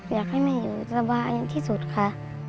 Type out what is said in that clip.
อยากให้แม่อยู่สบายอย่างที่สุดค่ะ